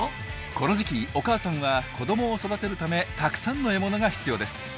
この時期お母さんは子どもを育てるためたくさんの獲物が必要です。